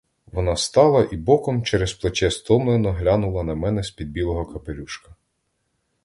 Вона стала і боком, через плече стомлено глянула на мене з-під білого капелюшка.